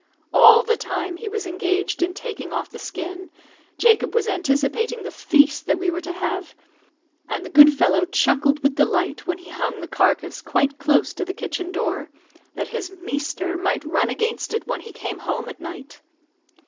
All the time he was engaged in taking off the skin, Jacob was anticipating the feast that we were to have; and the good fellow chuckled with delight when he hung the carcass quite close to the kitchen door, that his "measter" might run against it when he came home at night.